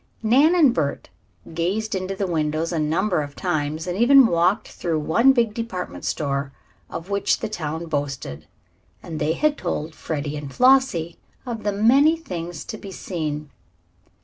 Nan and Bert had gazed into the windows a number of times, and even walked through the one big department store of which the town boasted, and they had told Freddie and Flossie of many of the things to be seen.